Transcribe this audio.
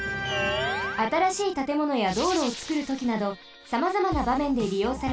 あたらしいたてものやどうろをつくるときなどさまざまなばめんでりようされています。